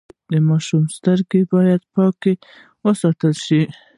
د ماشوم سترګې باید پاکې وساتل شي۔